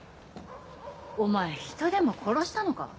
お前人でも殺したのか？